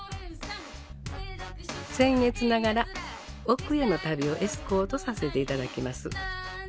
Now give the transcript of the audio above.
せん越ながら奥への旅をエスコートさせて頂きます。